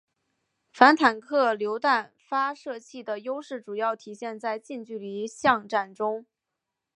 反坦克榴弹发射器的优势主要体现在近距离巷战中。